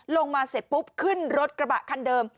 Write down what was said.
ลงมาเสร็จปุ๊บขึ้นรถกระบะคันเดิม